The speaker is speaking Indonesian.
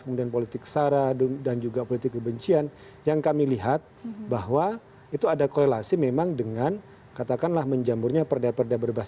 kemudian politik sara dan juga politik kebencian yang kami lihat bahwa itu ada korelasi memang dengan katakanlah menjamurnya perda perda berbasis